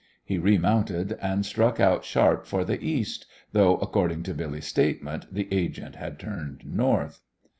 He remounted and struck out sharp for the east, though, according to Billy's statement, the agent had turned north.